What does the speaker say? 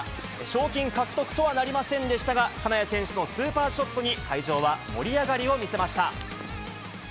賞金獲得とはなりませんでしたが、金谷選手のスーパーショットに、会場は盛り上がりを見せました。